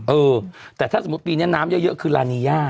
เออแต่ถ้าสมมุติปีนี้น้ำเยอะคือลานีย่า